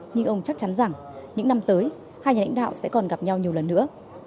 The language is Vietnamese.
nhưng ông chắc chắn rằng những năm tới hai nhà lãnh đạo sẽ còn gặp nhau nhiều lần nữa